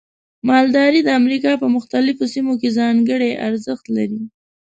مالداري د امریکا په مختلفو سیمو کې ځانګړي ارزښت لري.